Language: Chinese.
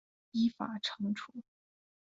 依法惩处